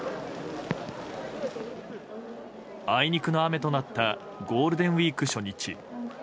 あいにくの雨となったゴールデンウィーク初日。